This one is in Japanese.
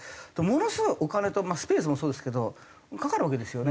ものすごいお金とスペースもそうですけどかかるわけですよね。